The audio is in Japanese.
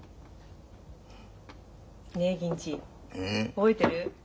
覚えてる？